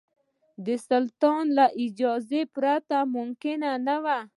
د سلطان له اجازې پرته ممکن نه وو.